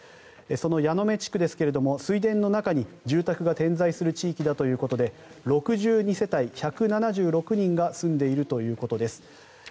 その矢目地区ですが水田の中に住宅が点在する地域ということで、６２世帯が住んでいるということです。